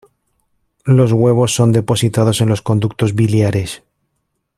Los huevos son depositados en los conductos biliares.